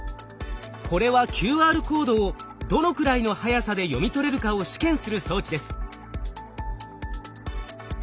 これはＱＲコードをどのくらいの速さで読み取れるかを試験する装置です。